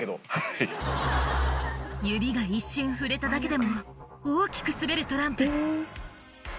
指が一瞬触れただけでも大きく滑るトランプ